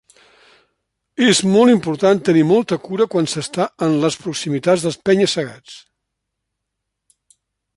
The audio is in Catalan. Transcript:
És molt important tenir molta cura quan s'està en les proximitats dels penya-segats.